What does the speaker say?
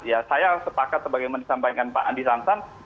ya saya sepakat sebagai yang disampaikan pak andi sansan